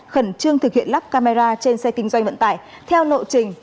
khẩn trương thực hiện lắp camera trên xe kinh doanh vận tải theo lộ trình